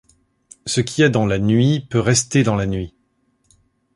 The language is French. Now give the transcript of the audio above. Ce qui est dans la nuit peut rester dans la nuit.